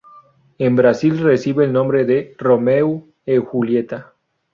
En Brasil recibe el nombre de Romeu e Julieta.